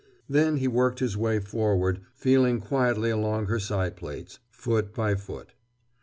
Then he worked his way forward, feeling quietly along her side plates, foot by foot.